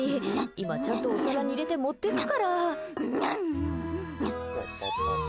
今、ちゃんとお皿に入れて持ってくから。